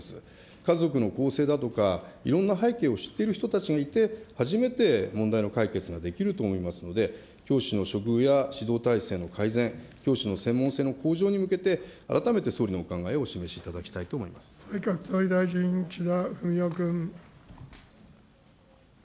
家族の構成だとか、いろんな背景を知っている人たちがいて、初めて問題の解決ができると思いますので、教師の処遇や指導体制の改善、教師の専門性の向上に向けて、改めて総理のお考えをお示しいた内閣総理大臣、岸田文雄君。